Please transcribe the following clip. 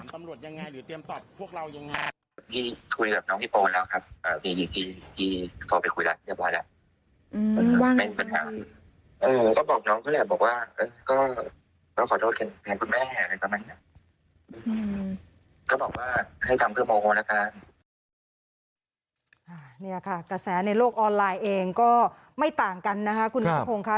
กระแสในโลกออนไลน์เองก็ไม่ต่างกันนะครับ